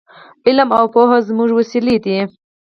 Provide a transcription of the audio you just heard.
علم او پوهه زموږ وسلې دي.